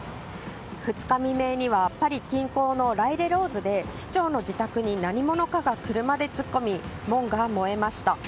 ２日未明にはパリ近郊のライレローズで市長の自宅に何者かが車で突っ込み門が燃えました。